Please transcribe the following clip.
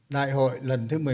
đại hội lãnh đạo xã hội